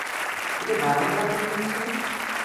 এটা বানানো নাম মনে হচ্ছে।